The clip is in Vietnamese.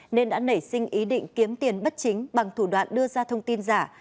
nên đã nảy sinh ý định kiếm tiền bất chính bằng thủ đoạn đưa ra thông tin giả